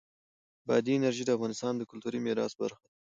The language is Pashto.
بادي انرژي د افغانستان د کلتوري میراث برخه ده.